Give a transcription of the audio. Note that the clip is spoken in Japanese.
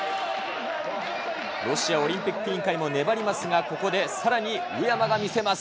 ロシアオリンピック委員会も粘りますが、ここでさらに宇山が見せます。